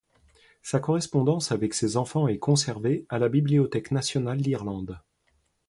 Sa correspondance avec ses enfants est conservée à la Bibliothèque nationale d'Irlande.